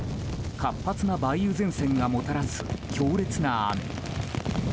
活発な梅雨前線がもたらす強烈な雨。